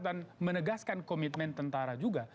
dan menegaskan komitmen tentara juga